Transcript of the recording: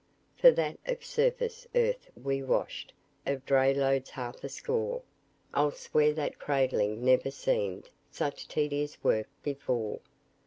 For that, of surface earth we washed Of dray loads half a score; I'll swear that cradling never seemed Such tedious work before.